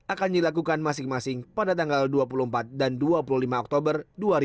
akan dilakukan masing masing pada tanggal dua puluh empat dan dua puluh lima oktober dua ribu dua puluh